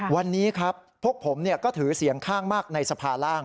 วันนี้ครับพวกผมก็ถือเสียงข้างมากในสภาร่าง